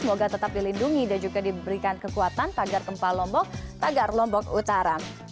semoga tetap dilindungi dan juga diberikan kekuatan tagar gempa lombok tagar lombok utara